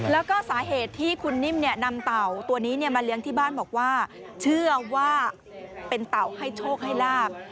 แล้วก็สาเหตุที่คุณนิ่มนำเต่าตัวนี้มาเลี้ยงที่บ้านบอกว่าเชื่อว่าเป็นเต่าให้โชคให้ลาบ